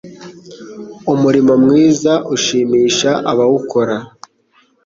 umurimo mwiza Ushimisha abawukora